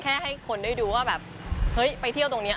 แค่ให้คนได้ดูว่าไปเที่ยวตรงนี้